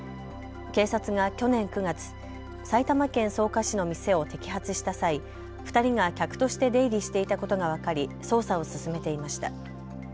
警察が去年９月、埼玉県草加市の店を摘発した際２人が客として出入りしていたことが分かり捜査を進めていました。